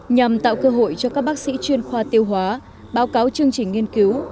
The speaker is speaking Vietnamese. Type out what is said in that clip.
nhằm tạo cơ hội cho các bác sĩ chuyên khoa tiêu hóa báo cáo chương trình nghiên cứu